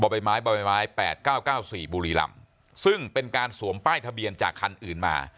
บ่อยไม้บ่อยไม้แปดเก้าเก้าสี่บุรีรำซึ่งเป็นการสวมป้ายทะเบียนจากคันอื่นมา